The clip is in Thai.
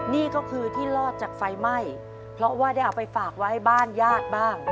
นี่ก็คือที่รอดจากไฟไหม้เพราะว่าได้เอาไปฝากไว้บ้านญาติบ้าง